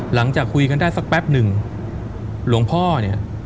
หลังจากคุยกันได้สักแป๊บหนึ่งหลวงพ่อเนี่ย